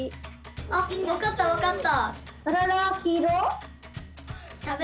あっわかったわかった。